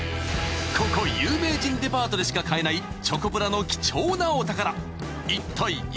［ここ『有名人デパート』でしか買えないチョコプラの貴重なお宝］